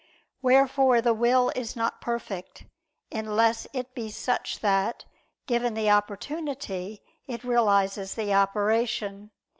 Wherefore the will is not perfect, unless it be such that, given the opportunity, it realizes the operation.